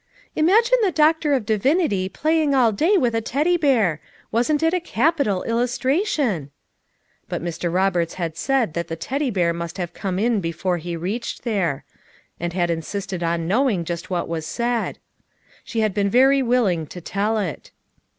"Imagine the Doctor of Divinity playing all day with a Teddy bear! Wasn't it a capital illustration?" But Mr. Eoberts had said that 340 FOUR MOTHERS AT CHAUTAUQUA the Teddy hear must have come in hefore he reached there; and had insisted on knowing just what was said. She had been very willing to tell it.